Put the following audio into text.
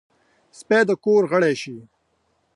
سپي د کور غړی شي.